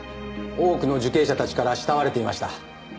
多くの受刑者たちから慕われていました。